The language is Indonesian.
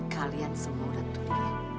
kalian semua udah tuduh